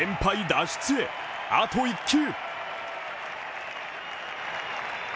脱出へ、あと１球。